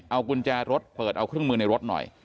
เอากุญแจรถเปิดเอาเครื่องมือในรถหน่อย